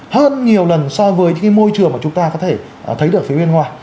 hơn nhiều lần so với những môi trường mà chúng ta có thể thấy được phía bên ngoài